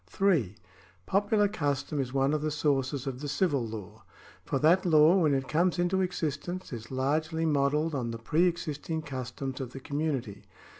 (3) Popular custom is one of the sources of the civil law ; for that law, when it comes into existence, is largely modelled on the pre existing customs of the community.